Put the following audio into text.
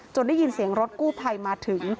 ได้ยินเสียงรถกู้ภัยมาถึง